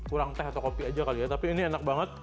kurang teh atau kopi aja kali ya tapi ini enak banget